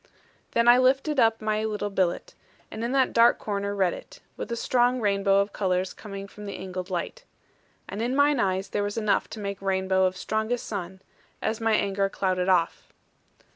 Then I lifted up my little billet; and in that dark corner read it, with a strong rainbow of colours coming from the angled light. And in mine eyes there was enough to make rainbow of strongest sun, as my anger clouded off.